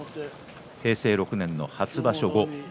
平成６年の初場所後です。